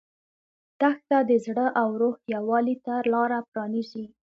دښته د زړه او روح یووالي ته لاره پرانیزي.